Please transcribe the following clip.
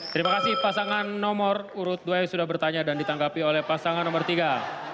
terima kasih pasangan nomor urut dua yang sudah bertanya dan ditangkapi oleh pasangan nomor tiga